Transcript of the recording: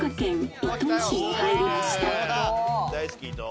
大好き伊東。